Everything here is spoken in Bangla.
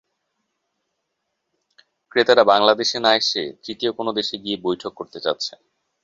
ক্রেতারা বাংলাদেশে না এসে তৃতীয় কোনো দেশে গিয়ে বৈঠক করতে চাচ্ছেন।